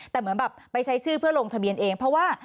แต่เหมือนแบบไปใช้ชื่อเพื่อลงทะเบียนเองเพราะว่า